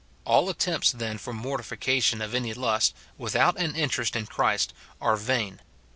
All attempts, then, for mortification of any lust, without an interest in Christ, are vain.